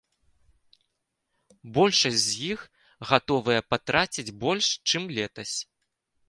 Большасць з іх гатовыя патраціць больш, чым летась.